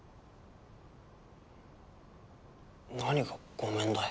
何がごめんだよ。